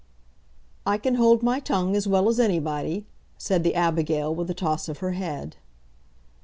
"I can hold my tongue as well as anybody," said the Abigail with a toss of her head.